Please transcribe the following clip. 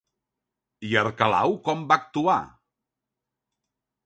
I Arquelau com va actuar?